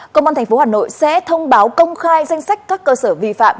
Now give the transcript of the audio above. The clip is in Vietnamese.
công an tp hà nội sẽ thông báo công khai danh sách các cơ sở vi phạm